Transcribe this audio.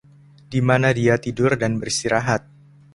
Dimana dia tidur dan beristirahat?